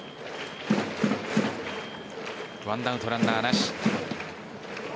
１アウトランナーなし。